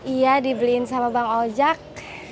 iya dibeliin sama bank ojak